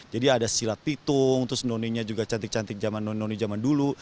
jadi ada silat titung terus noninya juga cantik cantik zaman noni noni zaman dulu